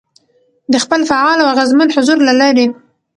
، د خپل فعال او اغېزمن حضور له لارې،